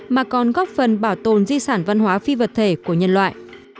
mà còn góp phần bảo tồn di sản văn hóa phi vật thể của nhân loại